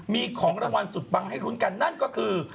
มีของรางวัลสุดปังให้ลุ้นกันนั่นก็คือ